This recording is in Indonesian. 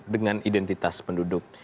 dengan identitas penduduk